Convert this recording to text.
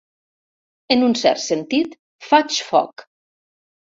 En un cert sentit, faig foc.